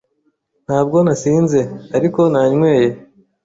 Ntabwo nasinze, ariko nanyweye.